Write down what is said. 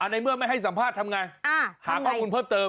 ในเมื่อไม่ให้สัมภาษณ์ทำไร